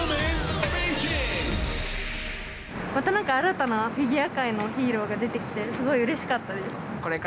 またなんか新たなフィギュア界のヒーローが出てきて、すごいうれしかったです。